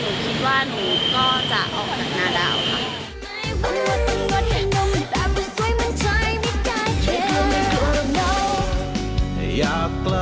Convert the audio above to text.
หนูคิดว่าหนูก็จะออกจากหน้าแล้วค่ะ